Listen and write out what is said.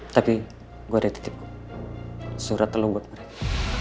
tapi gue ada titip surat lo buat mereka